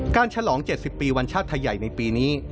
การฉลอง๗๐ปีวันชาติไทยในปีนี้